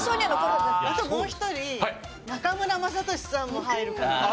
あともう１人中村雅俊さんも入るかな。